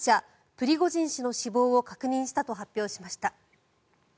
プリゴジン氏の死亡を確認したと発表しました。